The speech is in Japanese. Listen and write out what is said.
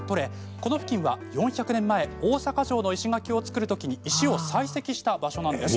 この付近は４００年前大坂城の石垣を造るときに石を採石した場所です。